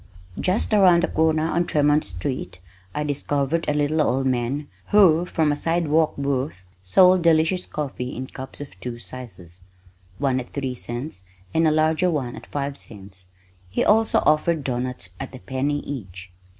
Just around the corner on Tremont street I discovered a little old man who from a sidewalk booth, sold delicious coffee in cups of two sizes, one at three cents and a larger one at five cents. He also offered doughnuts at a penny each.